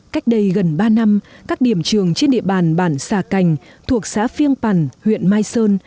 cách đây gần ba năm các điểm trường trên địa bàn bản xà cành thuộc xã phiêng pàn huyện mai sơn